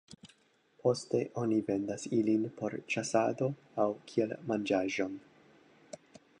Poste oni vendas ilin por ĉasado aŭ kiel manĝaĵon.